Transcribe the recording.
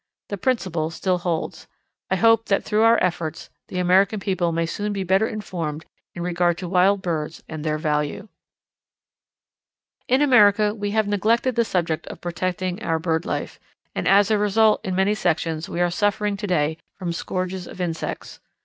The principle still holds. I hope that through your efforts the American people may soon be better informed in regard to our wild birds and their value." In America we have neglected the subject of protecting our bird life, and as a result in many sections we are suffering to day from scourges of insects.